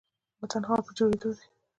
وطن حال په جوړيدو دي